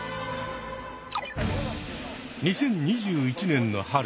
２０２１年の春